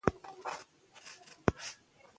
افغانستان کې منی د نن او راتلونکي لپاره ارزښت لري.